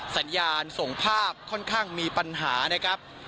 สัญญาณส่งภาพค่อนข้างมีปัญหานะครับ